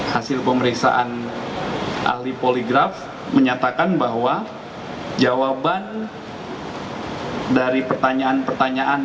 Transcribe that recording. hasil pemeriksaan ahli poligraf menyatakan bahwa jawaban dari pertanyaan pertanyaan